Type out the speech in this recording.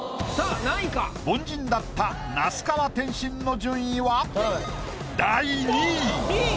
凡人だった那須川天心の順位は。